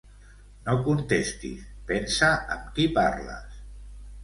No contestis. Pensa am qui parles.